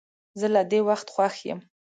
زه له دې وخت خوښ یم.